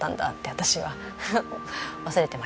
私は忘れてましたけど。